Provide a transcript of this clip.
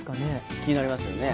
気になりますよね。